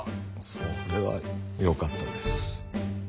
それはよかったです。